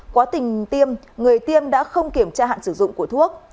quá trình tiêm người tiêm đã không kiểm tra hạn sử dụng của thuốc